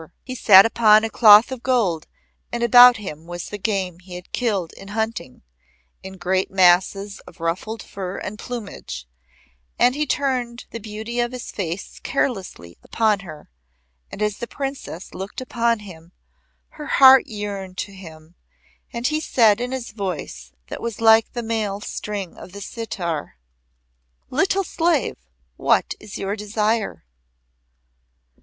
He sat upon a cloth of gold and about him was the game he had killed in hunting, in great masses of ruffled fur and plumage, and he turned the beauty of his face carelessly upon her, and as the Princess looked upon him, her heart yearned to him, and he said in his voice that was like the male string of the sitar: "Little slave, what is your desire?"